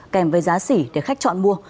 kèm với giá xỉ để khách chọn mua